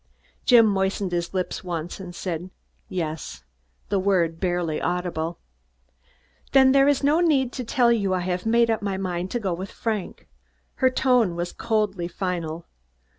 Jim moistened his lips once and said, "Yes." The word was barely audible. "Then there is no need to tell you I have made up my mind to go with Frank." Her tone was coldly final.